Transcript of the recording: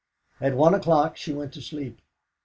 At one o'clock she went to sleep.